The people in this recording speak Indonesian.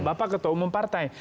bapak ketua umum partai